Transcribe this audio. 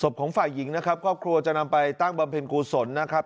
ของฝ่ายหญิงนะครับครอบครัวจะนำไปตั้งบำเพ็ญกุศลนะครับ